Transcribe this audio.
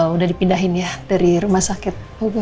udah dipindahin ya dari rumah sakit